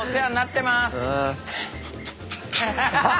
ハハハ。